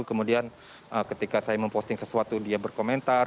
kemudian ketika saya memposting sesuatu dia berkomentar